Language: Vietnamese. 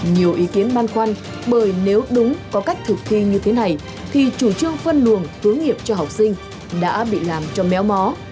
nhiều ý kiến băn khoăn bởi nếu đúng có cách thực thi như thế này thì chủ trương phân luồng hướng nghiệp cho học sinh đã bị làm cho méo mó